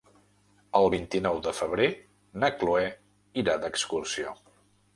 El vint-i-nou de febrer na Cloè irà d'excursió.